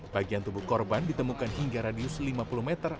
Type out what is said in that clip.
bagian tubuh korban ditemukan hingga radius lima puluh meter